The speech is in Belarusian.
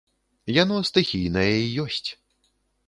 Яно стыхійнае і ёсць.